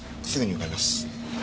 すぐに向かいます。